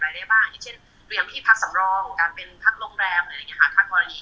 อย่างเช่นเรียมที่พักสำรองการเป็นพักโรงแรมอะไรอย่างเงี้ยครับ